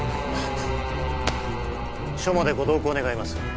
署までご同行願います